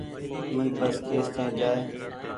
اي بس ڪيس تآئين جآئي۔